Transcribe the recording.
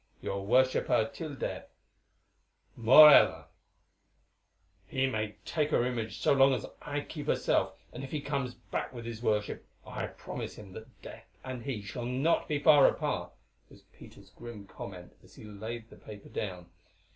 "Your worshipper till death, "MORELLA." "He may take her image so long as I keep herself and if he comes back with his worship, I promise him that death and he shall not be far apart," was Peter's grim comment as he laid the paper down.